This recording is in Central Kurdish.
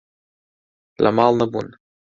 لە ماڵ نەبوون.